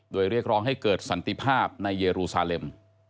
โดยเรียกร้องให้เกิดสันติภาพในเยรูซาเลม